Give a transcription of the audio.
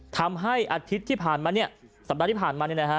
ทำให้อาทิตย์ที่ผ่านมาเนี่ยสัปดาห์ที่ผ่านมา